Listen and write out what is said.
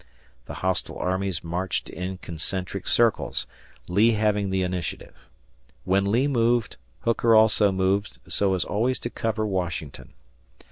The hostile armies marched in concentric circles, Lee having the initiative. When Lee moved, Hooker also moved so as always to cover Washington.